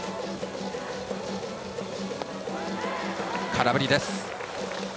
空振りです。